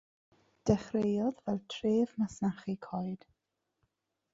Dechreuodd fel tref masnachu coed.